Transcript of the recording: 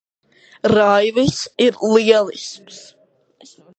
Raivis ir lielisks.